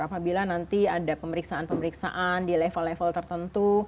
apabila nanti ada pemeriksaan pemeriksaan di level level tertentu